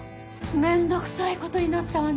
めんどくさいことになったわね。